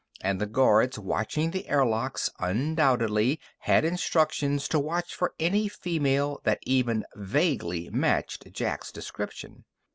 And the guards watching the air locks undoubtedly had instructions to watch for any female that even vaguely matched Jack's description.